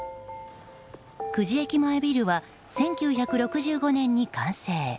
久慈駅前ビルは１９６５年に完成。